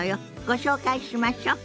ご紹介しましょ。